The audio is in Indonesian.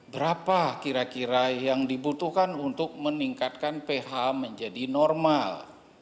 berapa kira kira yang dibutuhkan untuk meningkatkan ph menjadi normal